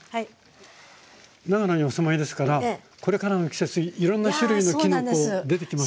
長野にお住まいですからこれからの季節いろんな種類のきのこ出てきますね。